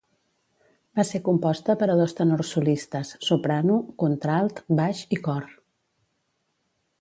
Va ser composta per a dos tenors solistes, soprano, contralt, baix i cor.